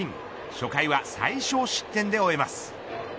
初回は最小失点で終えます。